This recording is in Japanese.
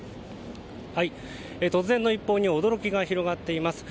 突然の一報に驚きが広がっています。